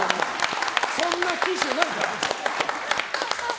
そんな機種ないから。